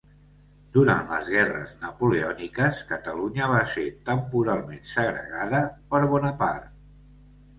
Durant les guerres napoleòniques, Catalunya va ser temporalment segregada per Bonaparte.